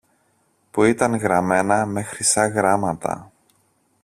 που ήταν γραμμένα με χρυσά γράμματα